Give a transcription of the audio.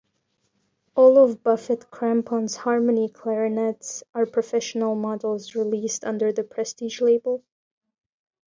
All of Buffet Crampon's harmony clarinets are professional models released under the "Prestige" label.